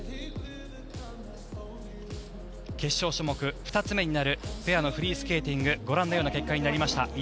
決勝種目２つ目になるペアのフリースケーティングご覧のような結果になりました。